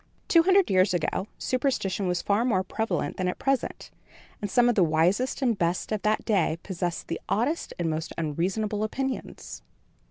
Two hundred years ago, superstition was far more prevalent than at present, and some of the wisest and best of that day possessed the oddest and most unreasonable opinions.